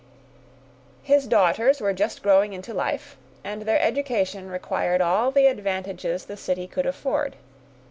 His daughters were just growing into life, and their education required all the advantages the city could afford.